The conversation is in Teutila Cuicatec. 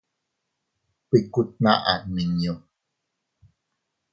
Bikku tnaʼa nmiñu.